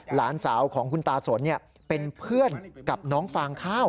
หลานสาวของคุณตาสนเป็นเพื่อนกับน้องฟางข้าว